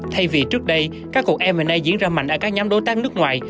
thay vì trước đây các cuộc m a diễn ra mạnh ở các nhóm đối tác nước ngoài